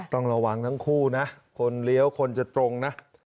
ต้องระวังทั้งคู่นะคนเลี้ยวคนจะตรงนะ